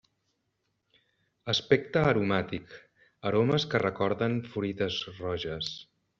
Aspecte aromàtic: aromes que recorden fruites roges.